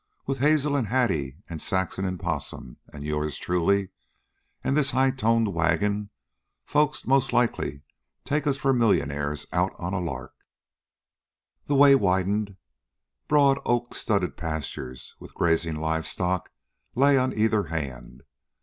With Hazel an' Hattie an' Saxon an' Possum, an' yours truly, an' this high toned wagon, folks most likely take us for millionaires out on a lark." The way widened. Broad, oak studded pastures with grazing livestock lay on either hand.